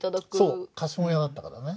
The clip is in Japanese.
そう貸本屋だったからね。